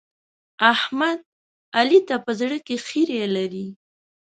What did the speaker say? احمد؛ علي ته په زړه کې خيری لري.